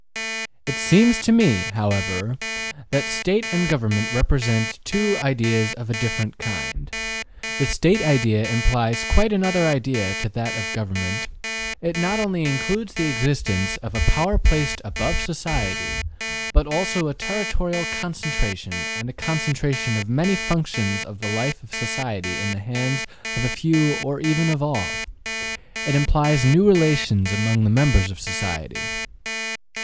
``It seems to me, however, that State and government represent two ideas of a different kind. The State idea implies quite another idea to that of government. It not only includes the existence of a power placed above society, but also a territorial concentration and a concentration of many functions of the life of society in the hands of a few or even of all. It implies new relations among the members of society.